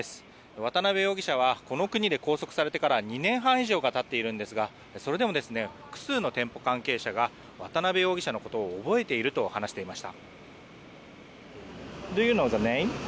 渡邉容疑者はこの国で拘束されてから２年半以上が経っていますがそれでも、複数の店舗関係者が渡邉容疑者のことを覚えていると話していました。